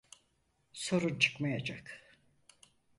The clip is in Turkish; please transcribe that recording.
Sorun çıkmayacak.